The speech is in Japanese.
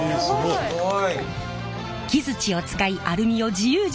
すごい。